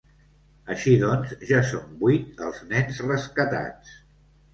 Així doncs, ja són vuit els nens rescatats.